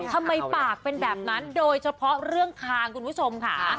ปากเป็นแบบนั้นโดยเฉพาะเรื่องคางคุณผู้ชมค่ะ